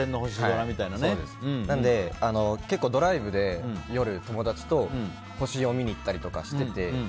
なので結構ドライブで夜、友達と星を見に行ったりとかしてて。